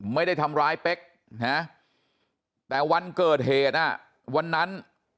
ไม่ได้ทำร้ายเป๊กนะแต่วันเกิดเหตุวันนั้น